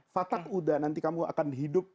fatah sudah nanti kamu akan hidup